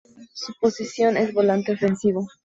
Su posición es volante ofensivo.